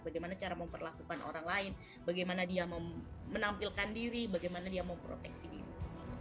bagaimana cara memperlakukan orang lain bagaimana dia menampilkan diri bagaimana dia memproteksi diri